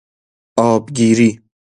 آبگیری